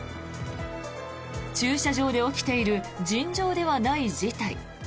駐車場で起きている尋常ではない事態。